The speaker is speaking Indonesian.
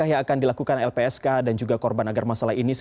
sebagai laka laka upaya preventif